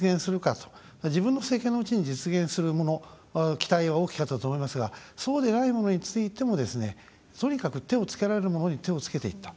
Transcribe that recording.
自分の政権のうちに実現するもの期待は大きかったと思いますがそうでないものについてもですねとにかく手をつけられるものに手をつけていった。